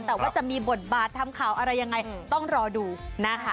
แต่ว่าจะมีบทบาททำข่าวอะไรยังไงต้องรอดูนะคะ